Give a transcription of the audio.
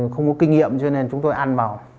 không có kinh nghiệm cho nên chúng tôi ăn vào